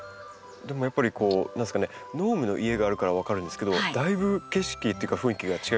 でもやっぱりこうノームの家があるから分かるんですけどだいぶ景色っていうか雰囲気が違いますよね。